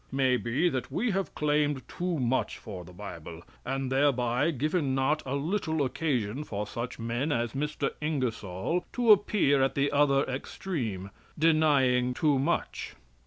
It may be that we have claimed too much for the Bible, and thereby given not a little occasion for such men as Mr. Ingersoll to appear at the other extreme, denying too much."